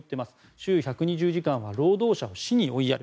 週１２０時間は労働者を死に追いやる。